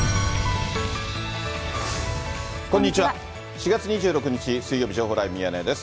４月２６日水曜日、情報ライブミヤネ屋です。